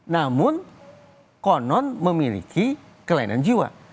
namun konon memiliki kelainan jiwa